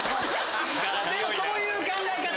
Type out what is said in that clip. でもそういう考え方！